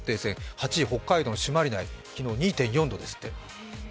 ８位は北海道の朱鞠内、昨日２．４度ですって。